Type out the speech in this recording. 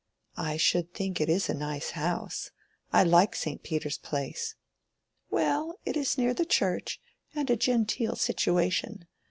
"I should think it is a nice house; I like St. Peter's Place." "Well, it is near the Church, and a genteel situation.